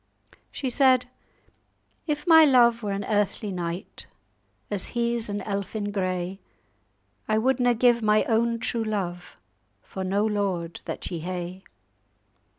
She said:— "'If my love were an earthly knight, As he's an elfin grey, I wouldna give my own true love For no lord that ye hae.